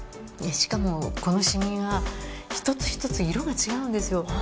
しかもこのシミが１つ１つ色が違うんですよ。